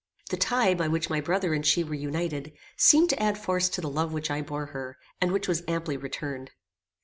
The tie by which my brother and she were united, seemed to add force to the love which I bore her, and which was amply returned.